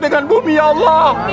dengan bumi allah